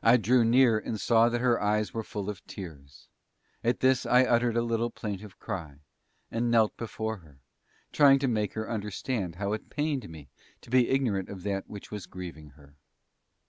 I drew near and saw that her eyes were full of tears. At this I uttered a little plaintive cry, and knelt before her, trying to make her understand how it pained me to be ignorant of that which was grieving her.